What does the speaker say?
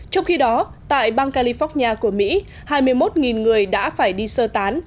trong khi đó tại bang california của mỹ hai mươi một người đã phải đi sơ tán